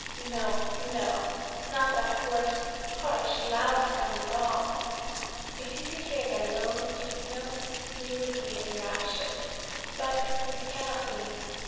No, no! Not that coarse, harsh, loud sort at all. If you could hear their low, sweet notes, you would be enraptured. But this cannot be.